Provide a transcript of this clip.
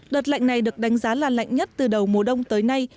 đợt lạnh này được đánh giá là lạnh nhất từ đầu mùa đông tới nay